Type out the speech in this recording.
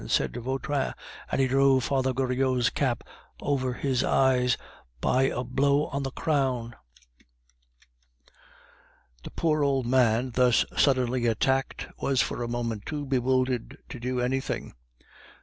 said Vautrin, and he drove Father Goriot's cap down over his eyes by a blow on the crown. The poor old man thus suddenly attacked was for a moment too bewildered to do anything.